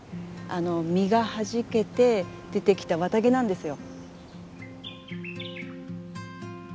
実がはじけて出てきた綿毛なんですよ。